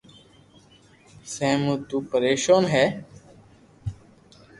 سي مون تو پريسون ھي